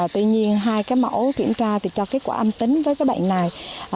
tuy nhiên hai mẫu kiểm tra cho kết quả âm tính với bệnh này